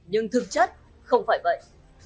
nhưng thực chất không phải vậy